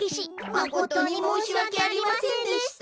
まことにもうしわけありませんでした。